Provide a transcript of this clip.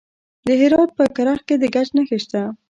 د هرات په کرخ کې د ګچ نښې شته.